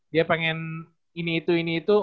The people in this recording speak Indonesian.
dia pengen ini itu ini itu